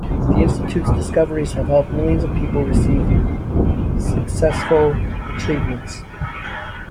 The Institute's discoveries have helped millions of people receive successful treatments.